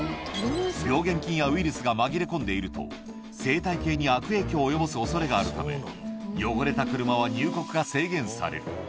病原菌やウイルスが紛れ込んでいると、生態系に悪影響を及ぼすおそれがあるため、汚れた車は入国が制限される。